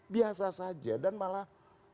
biasa saja dan malah